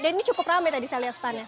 ini cukup rame tadi saya lihat standnya